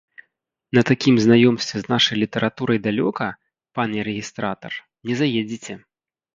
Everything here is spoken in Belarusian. На такім знаёмстве з нашай літаратурай далёка, пане рэгістратар, не заедзеце.